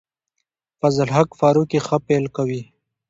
فضل الحق فاروقي ښه پیل کوي.